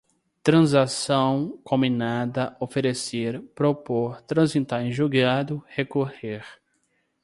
transação, cominada, oferecer, propor, transitar em julgado, recorrer